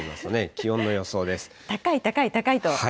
気高い、高い、高いと。